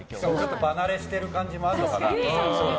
場慣れしてる感じもあるのかな。